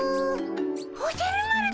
おじゃる丸だっピ。